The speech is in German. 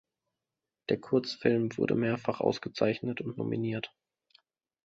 Der Kurzfilm wurde mehrfach ausgezeichnet und nominiert.